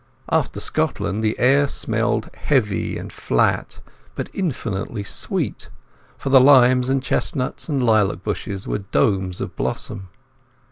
After Scotland the air smelt heavy and flat, but infinitely sweet, for the limes and chestnuts and lilac bushes were domes of blossom.